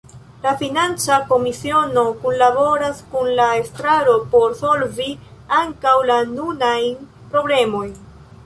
La financa komisiono kunlaboras kun la estraro por solvi ankaŭ la nunajn problemojn.